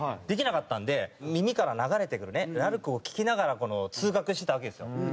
できなかったんで耳から流れてくるねラルクを聴きながら通学してたわけですよ。